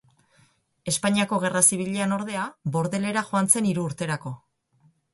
Espainiako Gerra Zibilean, ordea, Bordelera joan zen hiru urterako.